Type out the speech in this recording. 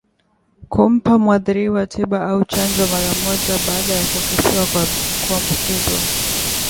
Kumpa mwathiriwa tiba au chanjo mara moja baada ya kukisiwa kuambukizwa